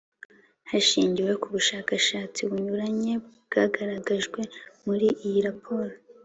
Hashingiwe ku bushakashatsi bunyuranye bwagaragajwe muri iyi raporo